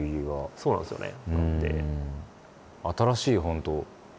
そうなんですよね。